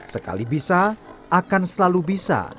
sekali bisa akan selalu bisa